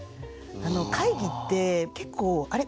会議って結構「あれ？